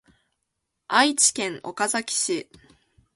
愛知県岡崎市